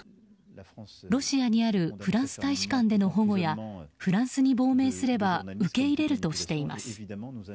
ロシアにあるフランス大使館での保護やフランスに亡命すれば受け入れるとしています。